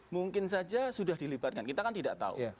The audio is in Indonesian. mungkin saja sudah dilibatkan kita kan tidak tahu